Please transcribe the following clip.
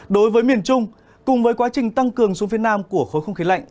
đối với miền trung cùng với quá trình tăng cường xuống phía nam của khối không khí lạnh